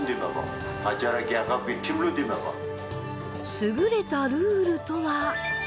優れたルールとは？